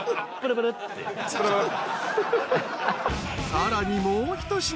［さらにもうひと品］